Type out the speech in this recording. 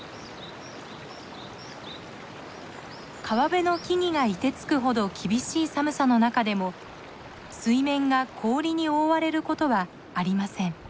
川辺の木々が凍てつくほど厳しい寒さの中でも水面が氷に覆われることはありません。